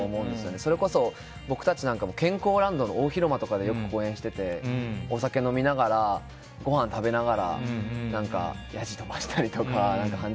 それこそ、僕たちなんかも健康ランドの大広間なんかでよく公演していてお酒飲みながらごはん食べながらやじ飛ばしたりとか。